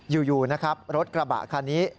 อยู่นะครับรถกระบะคันนี้